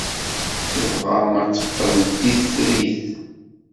Tebɣa ad teqqel d titrit.